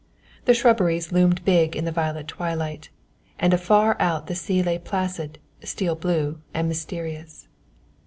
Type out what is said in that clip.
The shrubberies loomed big in the violet twilight and afar out the sea lay placid, steel blue and mysterious.